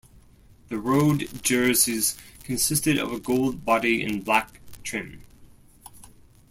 The road jerseys consisted of a gold body and black trim.